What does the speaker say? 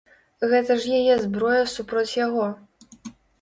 Гэта ж яе зброя супроць яго.